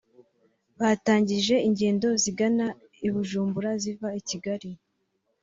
batangije ingendo zigana i Bujumbura ziva i Kigali